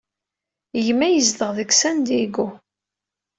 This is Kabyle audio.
Gma yezdeɣ deg San Diego.